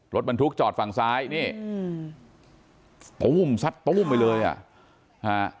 รถบรรทุกจอดฝั่งซ้ายนี่อืมตู้มซัดตู้มไปเลยอ่ะฮะ